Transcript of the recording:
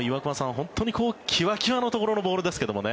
本当にきわきわのところのボールですけどね。